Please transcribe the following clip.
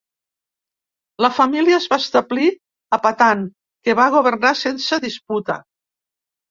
La família es va establir a Patan que va governar sense disputa.